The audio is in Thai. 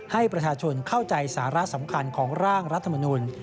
ให้ประชาชนเข้าใจสาระสำคัญของร่างรัฐมนุน